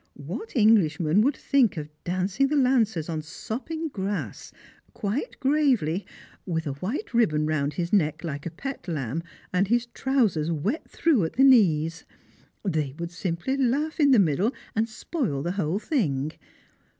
What Englishman would think of dancing the Lancers on sopping grass, quite gravely, with a white ribbon round his neck like a pet lamb, and his trousers wet through at the knees? They would simply laugh in the middle, and spoil the whole thing.